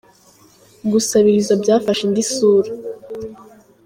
Gusabiriza byafashe indi sura